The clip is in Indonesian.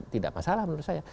tidak masalah menurut saya